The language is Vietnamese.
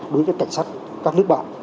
đối với cảnh sát các nước bạn